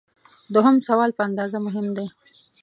دوهم سوال په اندازه مهم دی.